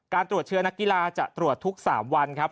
ตรวจเชื้อนักกีฬาจะตรวจทุก๓วันครับ